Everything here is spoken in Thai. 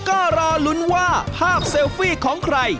ก็รอลุ้นว่าภาพเซลฟี่ของใคร